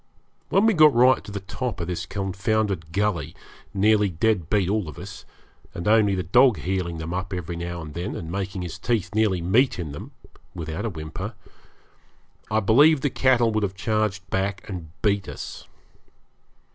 When we got right to the top of this confounded gully, nearly dead beat all of us, and only for the dog heeling them up every now and then, and making his teeth nearly meet in them, without a whimper, I believe the cattle would have charged back and beat us.